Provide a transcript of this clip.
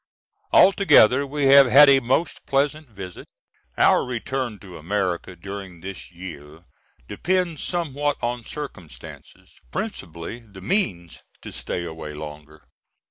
Altogether we have had a most pleasant visit. Our return to America during this year depends somewhat on circumstances, principally the means to stay away longer.